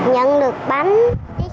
nhận được bánh